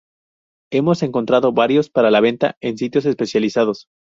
Hemos encontrado varios para la venta en sitios especializados.